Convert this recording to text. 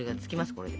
これで。